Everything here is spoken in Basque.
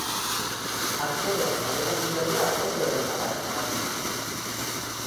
Aktoreen zaletasun berria oso errentagarria da.